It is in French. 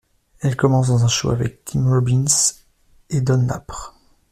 Elle commence dans un show avec Tim Robbins et Don Lapre.